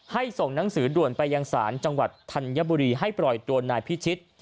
ส่งหนังสือด่วนไปยังศาลจังหวัดธัญบุรีให้ปล่อยตัวนายพิชิต